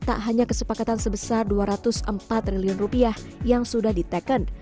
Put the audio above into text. tak hanya kesepakatan sebesar dua ratus empat triliun rupiah yang sudah diteken